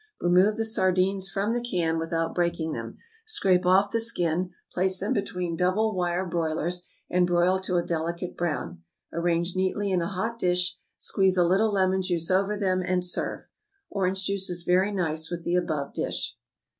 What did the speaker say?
Remove the sardines from the can without breaking them; scrape off the skin, place them between double wire broilers, and broil to a delicate brown; arrange neatly in a hot dish, squeeze a little lemon juice over them, and serve. Orange juice is very nice with the above dish.